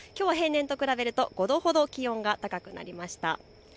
きょうは平年と比べると５度ほど気温が上がりました。